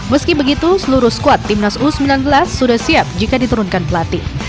meski begitu seluruh squad timnas u sembilan belas sudah siap jika diturunkan pelatih